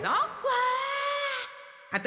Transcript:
わあ！